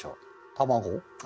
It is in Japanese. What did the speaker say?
卵？